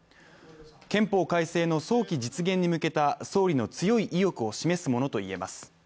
憲法改正の早期実現に向けた総理の強い意欲を示すものと言えます。